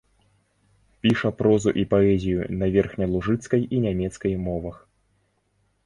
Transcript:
Піша прозу і паэзію на верхнялужыцкай і нямецкай мовах.